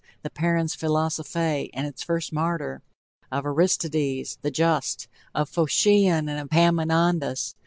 the parens philosophiae, and its first martyr! of Aristides! the Just of Phocion and Epaminondas!